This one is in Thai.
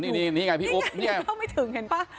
นี่นี่ไงพี่อุ๊บเนี่ยเข้าไม่ถึงเห็นป่ะ